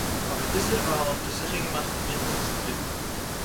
אבער ביז דערווייל האט ער זיכער געמאכט אים אינטערצודריקען